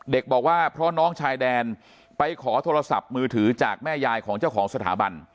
เด็กบอกว่าเพราะน้องชายแดนไปขอโทรศัพท์มือถือจากแม่ยายของเจ้าของสถาบัน